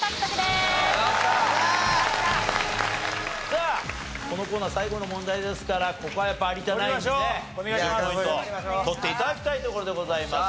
さあこのコーナー最後の問題ですからここはやっぱ有田ナインにね１０ポイント取って頂きたいところでございます。